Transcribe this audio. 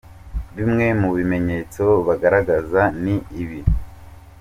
Bimwe mu bimenyetso bagaragaza ni ibi.